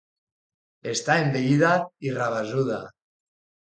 Està envellida i rabassuda.